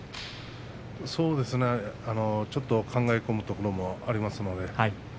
そうですねちょっと考え込むところがありますよね。